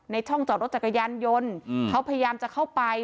ช่องจอดรถจักรยานยนต์เขาพยายามจะเข้าไป